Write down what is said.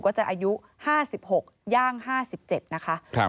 อายุ๕๖ย่าง๕๗นะคะ